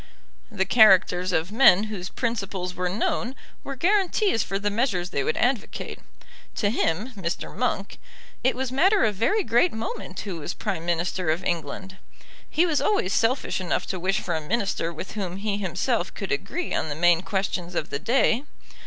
The characters of men whose principles were known were guarantees for the measures they would advocate. To him, Mr. Monk, it was matter of very great moment who was Prime Minister of England. He was always selfish enough to wish for a Minister with whom he himself could agree on the main questions of the day.